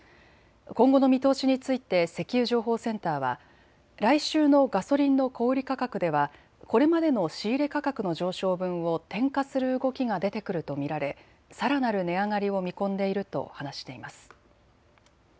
今後の見通しについて石油情報センターは来週のガソリンの小売価格ではこれまでの仕入れ価格の上昇分を転嫁する動きが出てくると見られさらなる値上がりを見込んでいると話しています。